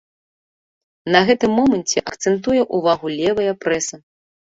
На гэтым моманце акцэнтуе ўвагу левая прэса.